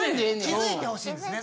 気付いて欲しいんですね。